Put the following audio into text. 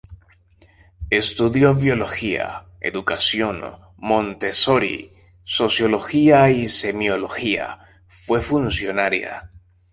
Estudió biología, educación Montessori, sociología y semiología, fue funcionaria.